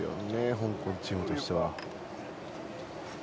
香港チームとしては。